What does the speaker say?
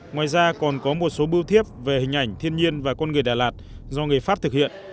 ngoài ra còn có một số bưu thiếp về hình ảnh thiên nhiên và con người đà lạt do người pháp thực hiện